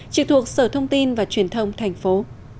trực thuộc sở thông tin và truyền thông thành phố